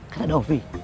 kan ada ovi